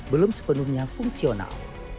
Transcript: belum sepenuhnya fungsional